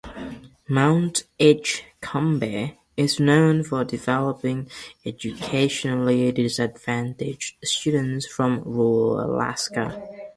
Mount Edgecumbe is known for developing educationally-disadvantaged students from rural Alaska.